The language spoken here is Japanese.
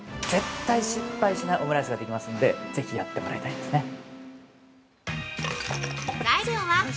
絶対に失敗しないオムライスができますので、ぜひやってもらいたいですね。